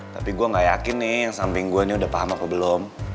tapi gue gak yakin nih yang samping gue ini udah paham apa belum